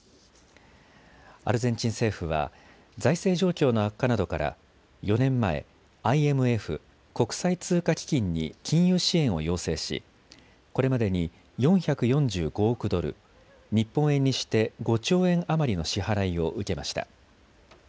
アルゼンチン政府は財政状況の悪化などから４年前、ＩＭＦ・国際通貨基金に金融支援を要請しこれまでに４４５億ドル、日本円にして５兆円余りの支払いを受けました。